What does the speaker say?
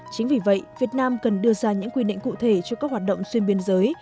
chính vì vậy việt nam cần đưa ra những quy định cụ thể cho các hoạt động xuyên biên giới